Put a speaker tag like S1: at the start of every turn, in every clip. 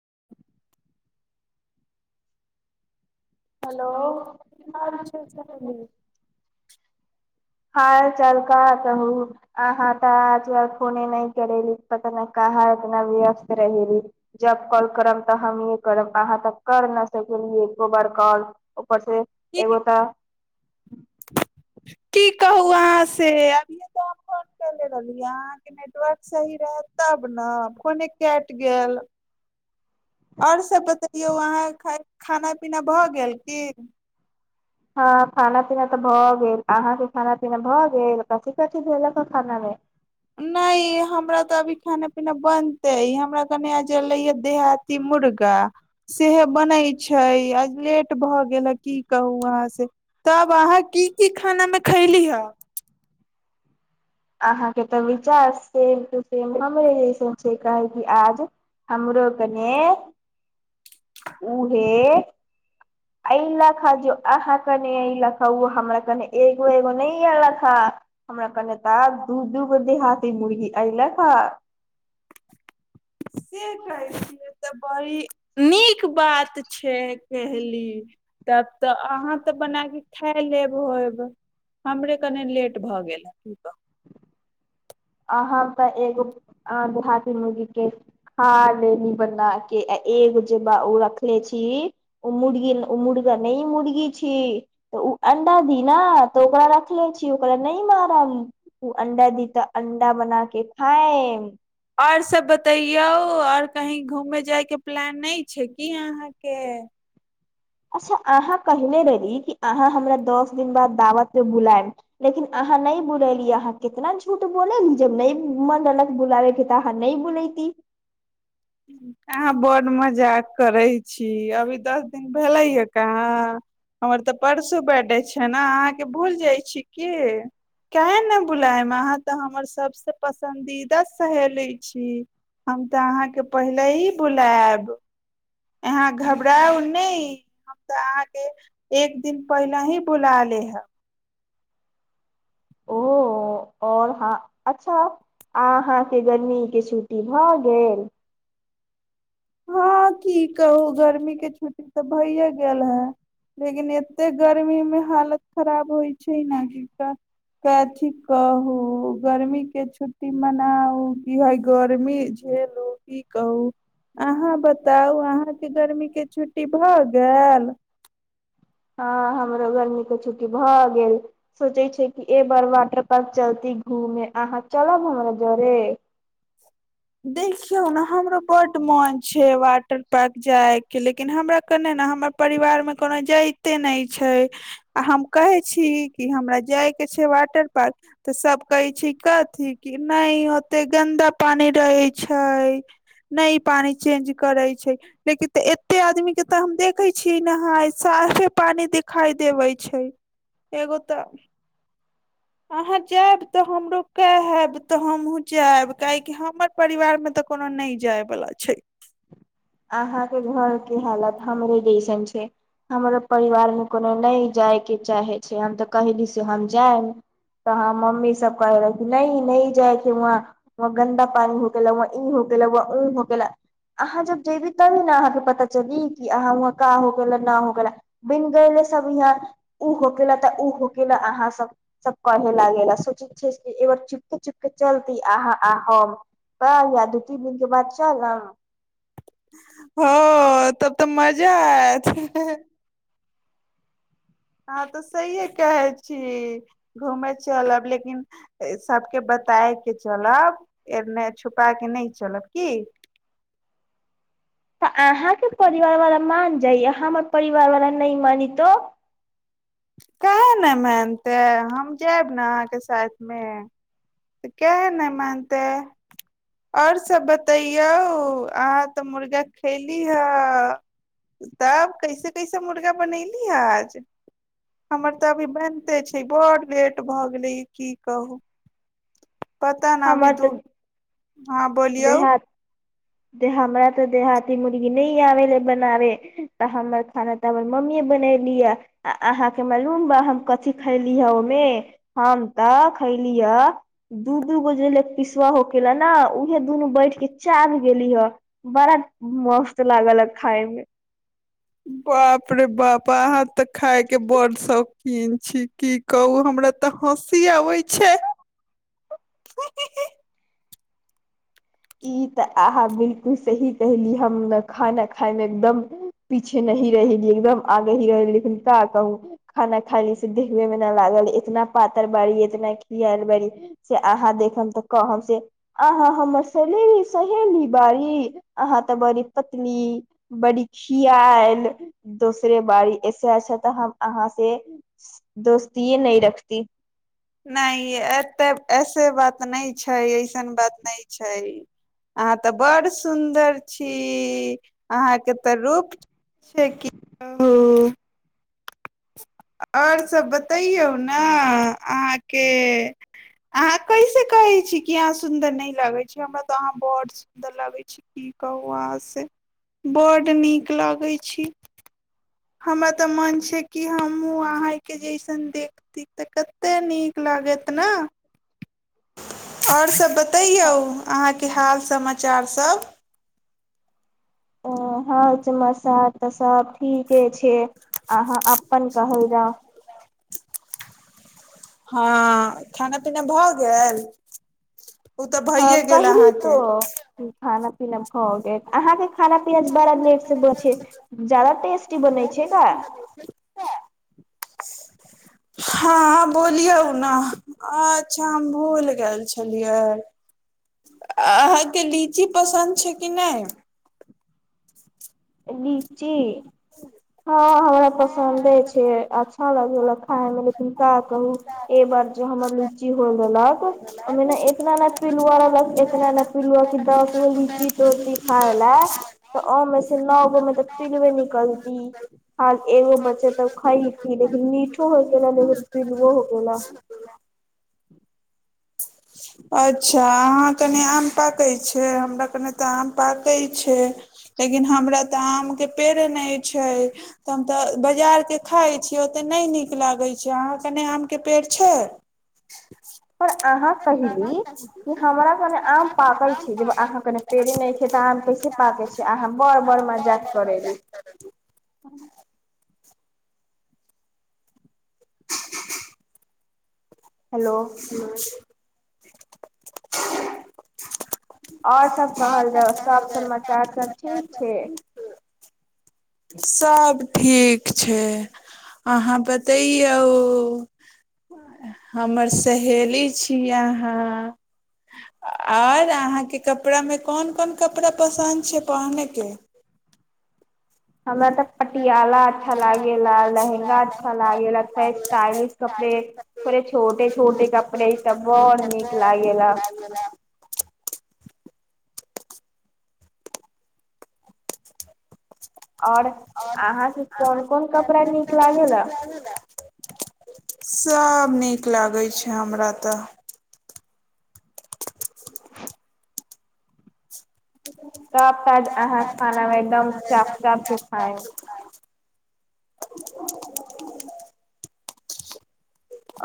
S1: [unintelligible]
S2: Hello
S1: हाल चाल का कहू अहाँ तऽ आजकल फोने नहि करली पता नहि कह इतना व्यस्त रहेली जब कॉल करब तऽ हमह करब अहाँ तऽ कर न सकियै एको बार कॉल उपर से एगोताऽ
S2: कहू अहाँ से अभिये तऽ हम फोन कले रहलीै अहाँके नेटवर्क सही रहय तब ने फोने कटि गेल और सब बतेलियौ अहाँ खाना पीना भऽ गेल की
S1: हँ खाना पीना तऽ भऽ गेल अहाँके खाना पीना भऽ गेल कथी कथी देलक ह खाना मे
S2: नहि हमरा तऽ अभी खाना पीना बनतै हमरा कनि आ जेलैए देहाती मुर्गा सेह बनैत छै आ लेट भऽ गेल हे की कहू अहाँसँ तब अहाँ की की खानामे खयली हे
S1: अहाँके तऽ विचार सेम टू सेम हमरे जइसन छै कहै कि आज हमरो कने उहे अऐल हा जो अहाँ कने अऐलक ह ओ हमरा कने एगो एगो नहि अलक हा हमरा कने तऽ दू दूगो देहाती मुर्गी अऐल हा
S2: सें कहै छिय तऽ बड़ी नीक बात छै कहली तब तऽ अहाँ तऽ बन के खा लेब होब हमरे कने लेट भऽ गेल हे की कहू
S1: अहाँ तऽ एगो देहाती मुर्गी के खा लेली बना के आ एगो जे ब ओ रखले छी ओ मुर्गी मुर्ग न मुर्गी छी तऽ ओ अंडा दी ने तऽ ओकरा रखले छी ओकरा नहि मारब ओ अंडा दी तऽ अंडा बना के खाायम
S2: आऔर सब बतैयौ आऔर कही घूमे जाय के प्लान नहि छै की अहाँके
S1: अच्छा अहाँ कहने रहली कि अहाँ हमरा दस दिन बाद दावतमे बुलायब लेकिन अहाँ नहि बुलली अहाँ कितना झूठ बोलैली जब नहि मन रहलक बुलाबयके तऽ अहाँ नहि बुलैत
S2: अहाँ बड मजाक करै छी अभी दस दिन भेलैयए कहाँ हमर तऽ परसो बैडे छै ने अहाँके भूल जाइ छी क काह ने बुलायम अहाँ तऽ हमर सभसँ पसन्दीदा सहेली छी हम तऽ अहाँके पहिले ही बुलायब यहाँ घबराउ नहि हम तऽ अहाँके एक दिन पहिले ही बुला ले हे
S1: ओ आओर ह अच्छा अहाँके गर्मीके छुट्टी भऽ गेल
S2: हँ की कहू गर्मीके छुट्टी तऽ भइए गेल हे लेकिन एतेक गर्मीमे हालत खराब होइ छै ने कि अथिी कहू गर्मीके छुट्टी मनाउ की हइ गर्मी झेलू की कहू अहाँ बताउ अहाँके गर्मीके छुट्टी भऽ गेल
S1: हँ हमरो गरमीके छुट्टी भऽ गेल सोचै छै कि ए बार वाटर पार्क चलती घूमे अहाँ चलब हमरा जरे
S2: देखियौ ने हमरो बड्ड मन छै वाटर पार्क जाय के लेकिन हमरा कने ने हमर परिवार मे कोनो जाइते नहि छै आ हम कहै छी कि हमरा जाय के छै वाटर पार्क तऽ सब कहै छै कथिी कि नहि होते गन्दा पानी टै छै नहि पानी चेंज करै छै लेकिन तऽ एते आदमी के तऽ हम देखै छियै नाय साफे पानी दिााय देबे छै एगो तऽ अहाँ जायब तऽ हमरो कहब तऽ हमहूँ जायब काहेकि हमर परिवारमे तऽ कोनो नहि जायवला छै
S1: अहााँके घर के हालत हमरे जैसन छै हमर परिवार मे कोनो नहि जाय के चाहे छै हम तऽ कहली से हम जायब तऽ मम्मी सब कहे रह नहि नहि जायके वह व गन्दा पानी हो गेलेलक वहं हो गेलेलक व हो गेलक अहाँ जब बी तभी ने अहाँके पता चली कि अहाँ वह का हो गेला ना हो गेला बन गले सब यहा ओ हो केेला तऽ ओ होकेेला अहाँ सब सब कहे लागा सोचैत छै एकबार चुपके चिपके चलती अहाँ आम या दू तीन दििन के बाद चल
S2: ह तब तऽ मजा आयत हँ तऽ सहिए कहै छी घूमेय चलब लेकिन सभके बताय के चलब एने छुपा के नहि चलब की
S1: तऽ अहाँके परिवारवलाा मान जाइय हमर परिवार वाला नहि मानतहु
S2: के ने मानते हम जायब ने अहाँके साथमे तऽ कहाह ने मानते आओर सभ बतैयौ अहाँ तऽ मुर्गा खयली हे तब कैसे कैसे मुर्गा बनयली हेज हमर तऽ अभी बनिते छै बड लेट भऽ गेलै की कहू पता नहि विधु हँ बोलियौ
S1: ह हमरा तऽ देहाती मुर्गी नहि आबे हे बनाबे तऽ हमर खाना तऽ हमर मम्मीए बनेली ह आ अहाँके मालूम बा हम कथी खैली हे ओमे हम तऽ खैली ह दू दू गो जे पिसवा होकेे ने दुनू बैठ के च गेली हे बड़ा मस्त लागल ह खाय मे
S2: बाप रे बापा अहाँ तऽ खाायके बड़ शौकीन छी की कहू हमरा तऽ हँसी आबै छै
S1: ई तऽ अहाँ बिलकुल सही कहली हम ने खाना खाय मे एकदम पीछे नही रहली एकदम आगे ही रह लेकनका कहू खाना खायली से देखबे मे नहि लागल इतना पातर बारी इतना खियाल बारी से अहाँ देखम तऽ कहब से अहाँ हमर सहली सहेली बारी अहा ते बड़ी पतली बड़ी खियाल दोसरे बाारी ऐसेचछा तऽ हम अहाँ से दोस य नह रखती
S2: नहि एतेक ऐसे बात नहि छै अइसन बात नहि छै अहाँ तऽ बड़ सुन्दर छी अहाँके तऽ रूप छै क कहू आओरसभ बतैौ ने अहाँके अहाँ कैसे कहै छी कि अहाँ सुन्दर नहि लगै छै हमरा तऽ अहाँ बड् सुन्दर लगै छै की कहू अहाँसँ बड नीक लगै छी हमरा तऽ मन छै कि हमहूँ अहाँके जैसन देखथि तऽ कतेक नीक लागत ने आओर सब बत बतै यौ अहाँके कि हाल समाचारसभ
S1: त हाल चमचा तऽ सभ ठीके छै अहाँ अपनन कहल जा
S2: हँ खाना पीना भऽ गेल [inaudible]
S1: हँ कहिली तो खाना पीना भऽ गेल अहाँके खाना पीना बड़ा लेट से ब छैे जादा टेस्टी बनै छै क
S2: हँ बोलियौ ने अच्छा हम भूल गेल छलियै अहाँके लीची पसन्द छै कि नहि
S1: लीची हँ हमरा पसन्दे छै अच्छा लग खाय मे हनका कहू ए बार जे हमर लीच [unintelligible] ओहिमे ने इतना ने पिलुआ रहलक इतना ने पिलुआ क दस गो लीची तोती खााय ले तऽ ओमे नओ गो मे तऽ पिलुे निकलती हाल एगो बच्चे तऽ खइतीी लेकिन मीठो हो गेलेला लेकिन पिलवो हो गेलेला
S2: अच्छा अहाँ कनि आम पाकै छै हमरा कनि तऽ आम पाकैत छै लेकिन हमरा तऽ आमके पेड़े नहि छै तऽ हम तऽ बाजारके खाइ छियै ओतेक नहि नीक लागैत छै अहाँ कने आमके पेड़ छै
S1: पर अहाँ कहिली कि हमरा कनि आम पाकै छै जब अहाँ कने पेड़े नहि खे तऽ आम कैसे पाकै छै अहाँ बर बड़ मजाक करैेली
S2: [unintelligible] [unintelligible] [unintelligible]
S1: आओर सब कहल जाउ सभ समाचार सब ठीक छैय?
S2: [inaudible] सभ ठीक छैय अहाँ बतैयौ हमर सहेली छी अहाँ आओर अहाँके कपड़ामे कोन कोन कपड़ा पसन्द छैय पहनयके?
S1: हमरा तऽ पटियाल अच्छा लागेला लहेंगा अच्छा लागेला स्टाइलिश कपड़े थोड़े छोटे छोटे कपड़े ईसभ बड़ नीक लागेला। आओर अहाँके कोन कोन कपड़ा नीक लागेला?
S2: सब नीक लागै छैय हमरा तऽ।
S1: तब ताज अहाँ खानामे एकदम चाप चाप से खाये।
S2: [unintelligible]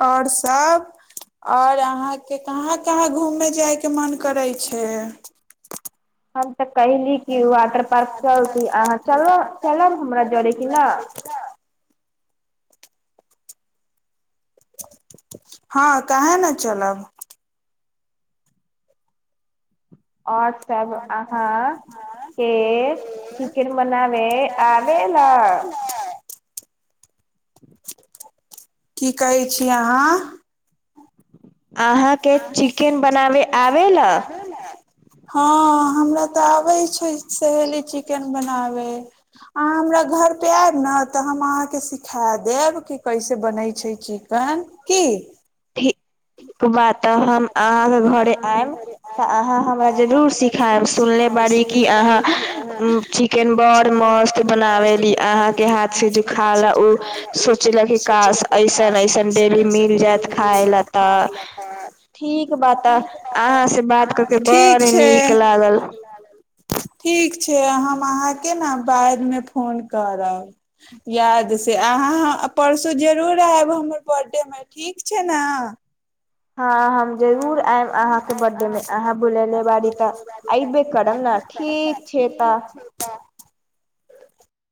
S2: आओर सभ आओर अहाँके कहाँ कहाँ घूमय जायके मोन करै छैय?
S1: हम तऽ कहयली कि वाटर पार्क चलती अहाँ चल चलब हमरा जोड़य की न?
S2: हँ काहे नै चलब।
S1: आओर सब अहाँ के चिकेन बनावे आबे ला?
S2: की कहै छी अहाँ?
S1: अहाँके चिकेन बनाबे आबे ला?
S2: हँ हमरा तऽ आबैत छैय सहेली चिकेन बनाबै अहाँ हमरा घरपे आयब ने तऽ हम अहाँके सिखा देब कि कैसे बनैत छैय चिकेन की।
S1: [unintelligible] बात तऽ हम अहाँके घरे आयम तऽ अहाँ हमरा जरूर सिखायम सुनले बारी क अहाँ चिकेन बड़ मस्त बनाबेली अहाँके हाथ से जो खाला उ सोचेला की काश अयसन अयसन डेली मिल जायत खाय ला तऽ ठीक बा तऽ अहाँ से बात करके बड़ नीक लागल।
S2: ठीक छैय हम अहाँके ने बादमे फोन करब यादसे अहाँ परसू जरूर आयब हमर बर्थडेमे ठीक छैय ने।
S1: हँ हम जरूर आयब अहाँके बर्थडे मे अहाँ बुलले बारी तऽ अऐबे करब ने ठीक छैय तऽ।